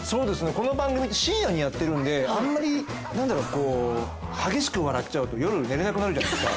この番組深夜にやってるんであんまり激しく笑っちゃうと夜寝られなくなるじゃないですか。